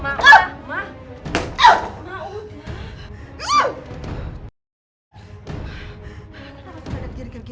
masa masa kebuka kukus